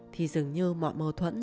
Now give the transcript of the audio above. thì dường như mọi mâu thuẫn